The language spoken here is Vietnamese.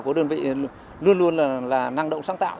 của đơn vị luôn luôn là năng động sáng tạo